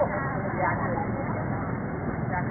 สวัสดีครับ